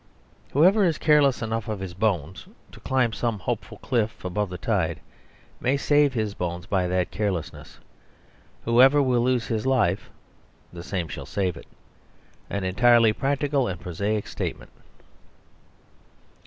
Whoever is careless enough of his bones to climb some hopeful cliff above the tide may save his bones by that carelessness. Whoever will lose his life, the same shall save it; an entirely practical and prosaic statement.